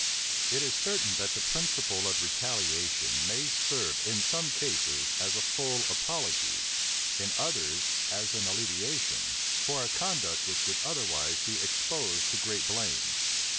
It is certain that the principle of retaliation may serve in some cases as a full apology, in others as an alleviation, for a conduct which would otherwise be exposed to great blame.